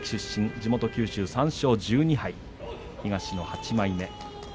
地元九州で３勝１２敗、東の８枚目。